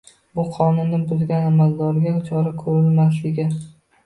Bu qonunni buzgan amaldorga chora ko‘rilmasligi.